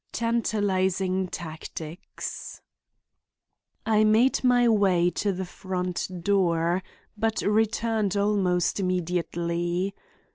TANTALIZING TACTICS I made my way to the front door, but returned almost immediately.